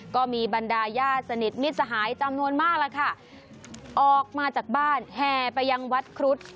ก็มีบรรดาญาติสนิทมิตรสหายจำนวนมากล่ะค่ะออกมาจากบ้านแห่ไปยังวัดครุฑ